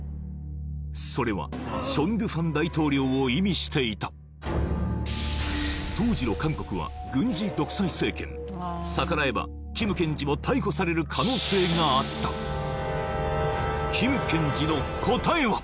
それはチョン・ドゥファン大統領を意味していた当時の韓国は逆らえばキム検事も逮捕される可能性があったキム検事の答えは！？